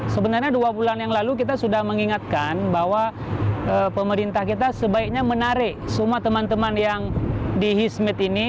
sebenarnya dua bulan yang lalu kita sudah mengingatkan bahwa pemerintah kita sebaiknya menarik semua teman teman yang di hizmat ini